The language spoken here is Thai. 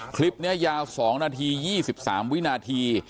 คลิปนี้ยาว๒นาที๒๓วินาที